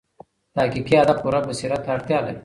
تحقیقي ادب پوره بصیرت ته اړتیا لري.